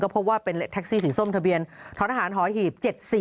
พบว่าเป็นแท็กซี่สีส้มทะเบียนท้อทหารหอหีบ๗๔